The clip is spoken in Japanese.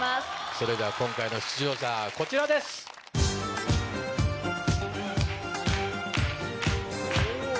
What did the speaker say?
それでは今回の出場者はこちらです。おぉ！